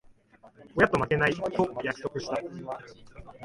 親と負けない、と約束した。